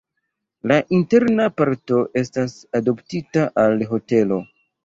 La interna parto estas adoptita al hotelo.